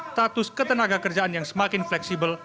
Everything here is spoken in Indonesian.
status ketenaga kerjaan yang semakin fleksibel